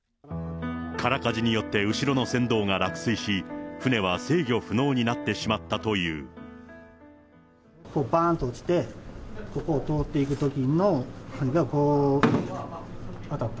空かじによって後ろの船頭が落水し、船は制御不能になってしこう、ばーんと落ちて、ここを通っていくときの船がこう当たって。